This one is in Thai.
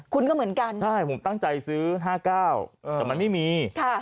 คุณก็เหมือนกันใช่ผมตั้งใจซื้อ๕๙แต่มันไม่มี